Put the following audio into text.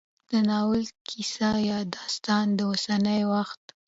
د ناول کيسه يا داستان د اوسني وخت